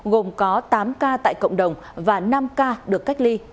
gồm có tám ca tại cộng đồng và năm ca được cách ly